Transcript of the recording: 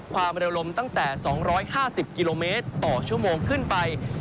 ความเร็วลมตั้งแต่๒๕๐กิโลเมตรต่อชั่วโมงขึ้นไป